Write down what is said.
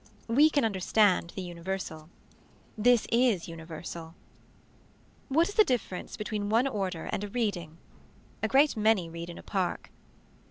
We can understand the universal. This is universal. What is the difference between one order and a reading. A great many read in a park.